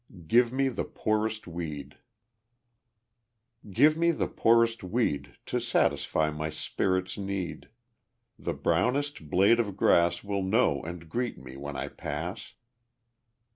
Give Me the Poorest Weed Give me the poorest weed To satisfy my spirit's need. The brownest blade of grass Will know and greet me when I pass.